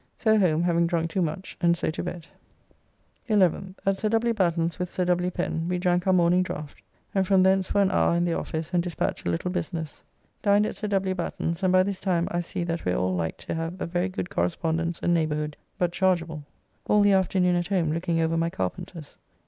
So home, having drunk too much, and so to bed. 11th. At Sir W. Batten's with Sir W. Pen we drank our morning draft, and from thence for an hour in the office and dispatch a little business. Dined at Sir W. Batten's, and by this time I see that we are like to have a very good correspondence and neighbourhood, but chargeable. All the afternoon at home looking over my carpenters.